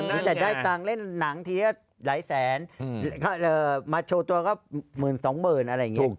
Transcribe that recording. มีแต่ได้ตังค์เล่นหนังทีละหลายแสนมาโชว์ตัวก็หมื่นสองหมื่นอะไรอย่างนี้